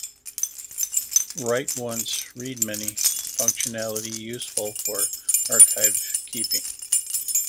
Write Once Read Many functionality, useful for archive keeping.